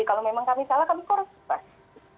kalau memang kami salah kami korupsi pasti